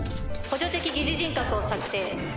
補助的擬似人格を作成。